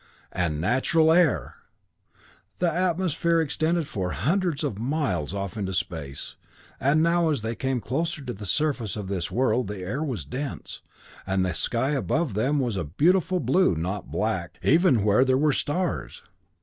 And natural air! The atmosphere extended for hundreds of miles off into space; and now, as they came closer to the surface of this world the air was dense, and the sky above them was a beautiful blue, not black, even where there were stars.